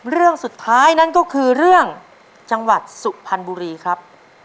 เรื่องสุดท้ายนั่นก็คือเรื่องจังหวัดสุพรรณบุรีครับ